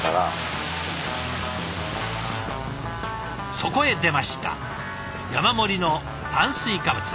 そこへ出ました山盛りの炭水化物。